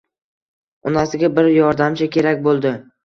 Onasiga bir yordamchi kerak boʻldi.